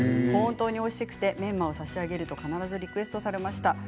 本当においしくて差し上げると必ずリクエストされました。